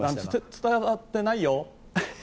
伝わってないよ。